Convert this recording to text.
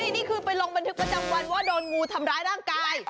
นี่คือไปลงบันทึกประจำวันว่าโดนงูทำร้ายร่างกาย